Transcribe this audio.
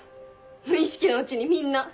無意識のうちにみんな。